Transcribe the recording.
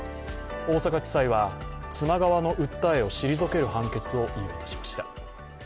大阪地裁は妻側の訴えを退ける判決を言い渡しました。